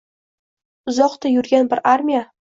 uzoqda yurgan bir armiya